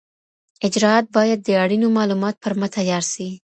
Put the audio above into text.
اجرأت باید د اړینو معلوماتو پر مټ عیار سي.